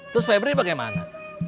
terus febri bagaimana